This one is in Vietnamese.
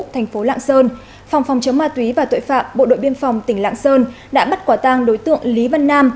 thành phố lạng sơn phòng phòng chống ma túy và tội phạm bộ đội biên phòng tỉnh lạng sơn đã bắt quả tang đối tượng lý văn nam